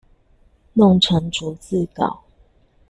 弄成逐字稿